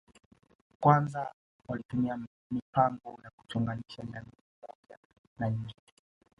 Kwanza walitumia mipango ya kuchonganisha jamii moja na nyingine